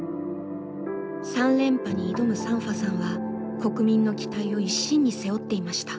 ３連覇に挑むサンファさんは国民の期待を一身に背負っていました。